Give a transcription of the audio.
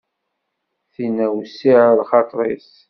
Tinna wessiε lxaṭer-is.